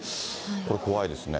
これ、怖いですね。